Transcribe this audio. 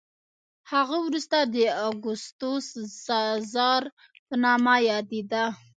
هغه وروسته د اګوستوس سزار په نامه یادېده